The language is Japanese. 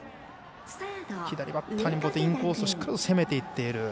左バッターに向かってインコースをしっかりと攻めていっている。